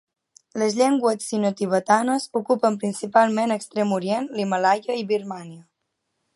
Les llengües sinotibetanes ocupen principalment Extrem Orient, l'Himàlaia i Birmània.